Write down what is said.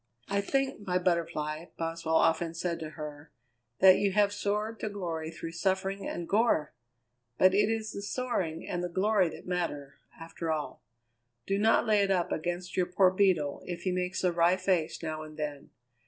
"I think, my Butterfly," Boswell often said to her, "that you have soared to glory through suffering and gore! But it is the soaring and the glory that matter, after all. Do not lay it up against your poor Beetle if he makes a wry face now and then.